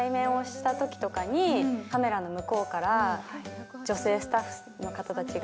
カメラの向こうから、女性スタッフの方たちが